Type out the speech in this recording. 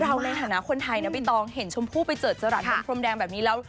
ในฐานะคนไทยนะใบตองเห็นชมพู่ไปเจอจรัสบนพรมแดงแบบนี้แล้ว